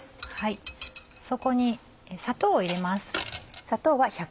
そこに砂糖を入れます。